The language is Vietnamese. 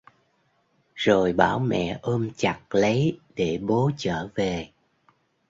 rồi bảo mẹ ôm chặt lấy để bố chở về